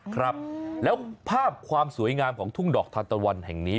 ครับแล้วภาพความสวยงามของทุ่งดอกทานตะวันแห่งนี้